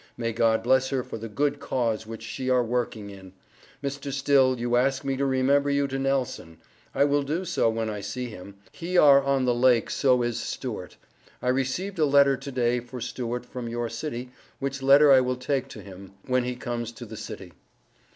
May God bless her for the good cause which she are working in. Mr. Still you ask me to remember you to Nelson. I will do so when I see him, he are on the lake so is Stewart. I received a letter to day for Stewart from your city which letter I will take to him when he comes to the city.